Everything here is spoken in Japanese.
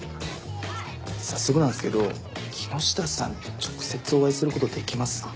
早速なんすけど木下さんと直接お会いすることできます？